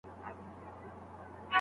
هغې ته باید فرصت کم نه سي.